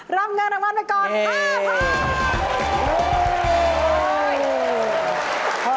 รับเงินนางวัลมาก่อน๕ข้อ